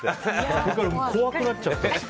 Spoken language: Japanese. それから怖くなっちゃって。